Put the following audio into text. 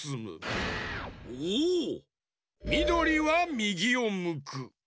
みどりはみぎをむく。